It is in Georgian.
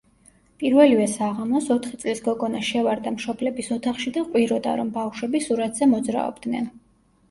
პირველივე საღამოს ოთხი წლის გოგონა შევარდა მშობლების ოთახში და ყვიროდა, რომ ბავშვები სურათზე მოძრაობდნენ.